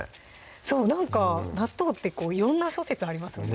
そうなんか納豆って色んな諸説ありますよね